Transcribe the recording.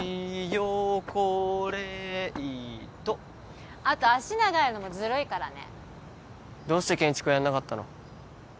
・ヨ・コ・レ・イ・トあと脚長いのもずるいからねどうして建築やんなかったの？